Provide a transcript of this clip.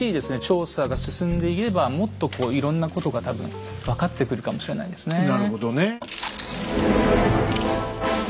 調査が進んでいけばもっとこういろんなことが多分分かってくるかもしれないですね。